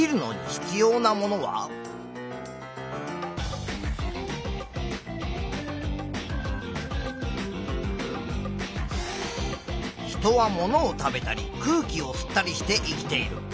人はものを食べたり空気を吸ったりして生きている。